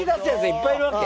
いっぱいいるわけ。